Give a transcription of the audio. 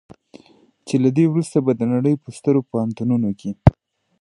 چې له دې وروسته به د نړۍ په سترو پوهنتونونو کې.